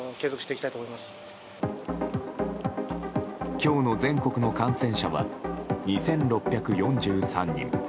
今日の全国の感染者は２６４３人。